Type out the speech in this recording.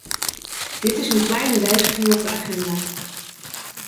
Dit is een kleine wijziging op de agenda.